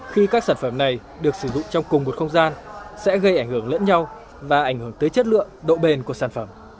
khi các sản phẩm này được sử dụng trong cùng một không gian sẽ gây ảnh hưởng lẫn nhau và ảnh hưởng tới chất lượng độ bền của sản phẩm